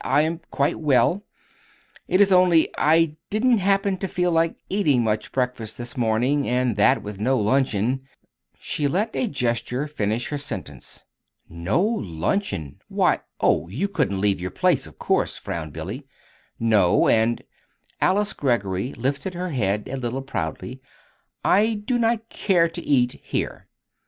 "I am quite well. It is only I didn't happen to feel like eating much breakfast this morning; and that, with no luncheon " She let a gesture finish her sentence. "No luncheon! Why oh, you couldn't leave your place, of course," frowned Billy. "No, and" Alice Greggory lifted her head a little proudly "I do not care to eat here."